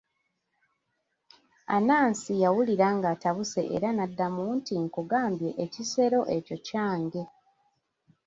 Anansi yawulira ng'atabuse, era n'addamu nti, nkugambye ekisero ekyo kyange.